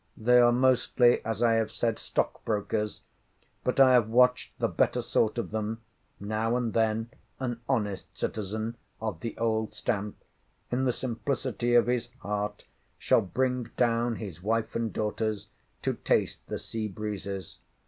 They are mostly, as I have said, stockbrokers; but I have watched the better sort of them—now and then, an honest citizen (of the old stamp), in the simplicity of his heart, shall bring down his wife and daughters, to taste the sea breezes.